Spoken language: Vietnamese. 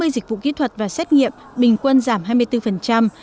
hai mươi dịch vụ kỹ thuật và xét nghiệm bình quân giảm hai mươi bốn